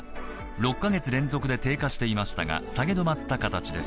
６か月連続で低下していましたが下げ止まった形です。